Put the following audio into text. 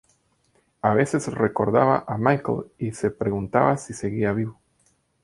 A veces recordaba a Michael y se preguntaba si seguía vivo.